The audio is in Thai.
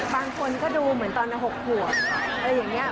บางคนก็ดูเหมือนตอน๖ขวบอะไรอย่างนี้